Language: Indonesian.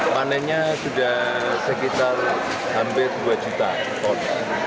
panennya sudah sekitar hampir dua juta ton